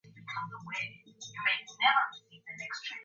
Marshall played for Edinburgh Academicals.